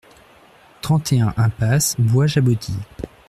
trente et un impasse Bois Jaboti